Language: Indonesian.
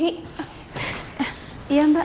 bi ada persediaan obat